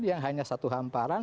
yang hanya satu hamparan